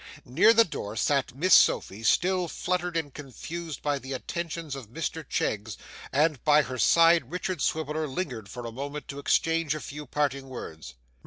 Near the door sat Miss Sophy, still fluttered and confused by the attentions of Mr Cheggs, and by her side Richard Swiveller lingered for a moment to exchange a few parting words.